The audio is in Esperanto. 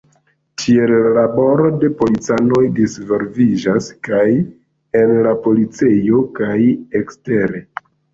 Tiel la laboro de policanoj disvolviĝas kaj en la policejo kaj ekstere.